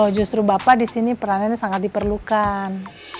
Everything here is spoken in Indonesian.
justru bapak disini peranannya sangat diperlukan